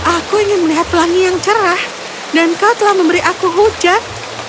aku ingin melihat pelangi yang cerah dan kau telah memberi aku hujan